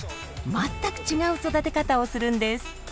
全く違う育て方をするんです。